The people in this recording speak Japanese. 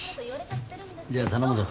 よしじゃあ頼むぞ。